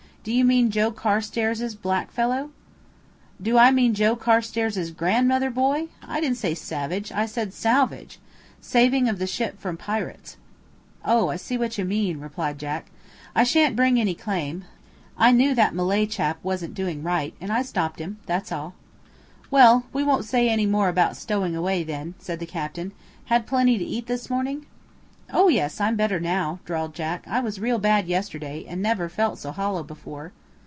"Do you mean Joe Carstairs' black fellow?" "Do I mean Joe Carstairs' grandmother, boy? I didn't say savage; I said salvage saving of the ship from pirates." "Oh, I see what you mean," replied Jack. "I sha'n't bring in any claim. I knew that Malay chap wasn't doing right, and stopped him, that's all." "Well, we won't say any more about stowing away, then," said the captain. "Had plenty to eat this morning?" "Oh yes, I'm better now," drawled Jack. "I was real bad yesterday, and never felt so hollow before."